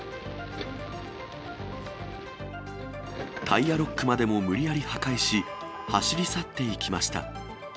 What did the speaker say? タイヤロックまでも無理やり破壊し、走り去っていきました。